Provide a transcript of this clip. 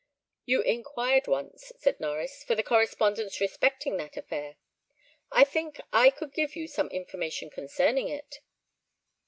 "You inquired once," said Norries, "for the correspondence respecting that affair; I think I could give you some information concerning it."